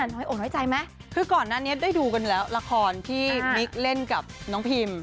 น้อยอกน้อยใจไหมคือก่อนหน้านี้ได้ดูกันแล้วละครที่มิ๊กเล่นกับน้องพิม